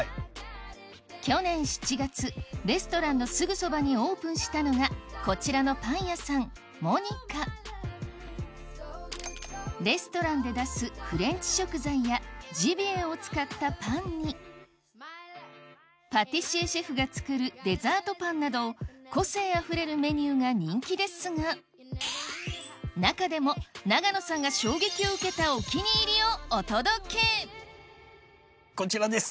去年７月レストランのすぐそばにオープンしたのがこちらのパン屋さんレストランで出すフレンチ食材やジビエを使ったパンにパティシエシェフが作るデザートパンなど個性あふれるメニューが人気ですが中でも長野さんが衝撃を受けたこちらです。